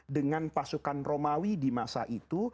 dengan pasukan romawi di masa itu